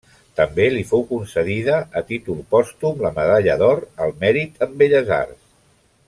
També li fou concedida a títol pòstum la medalla d'or al mèrit en Belles Arts.